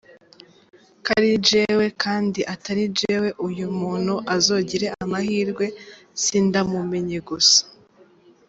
ko ari jewe kandi atari jewe uyu muntu azogire amahirwe sindamumenye gusa.